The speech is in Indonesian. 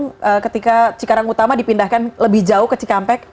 kemudian ketika cikarang utama dipindahkan lebih jauh ke cikampek